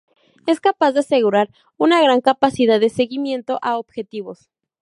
Es capaz de asegurar una gran capacidad de seguimiento a objetivos.